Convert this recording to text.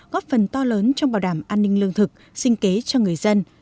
góp phần to lớn trong bảo đảm an ninh lương thực sinh kế cho người dân